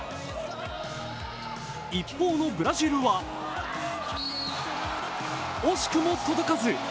一方のブラジルは惜しくも届かず。